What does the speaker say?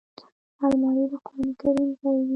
الماري د قران کریم ځای وي